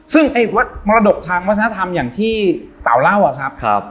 ซึ่งไอ้มรดกทางวัฒนธรรมอย่างที่เต๋าเล่าอะครับ